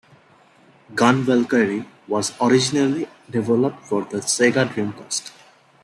"GunValkyrie" was originally developed for the Sega Dreamcast.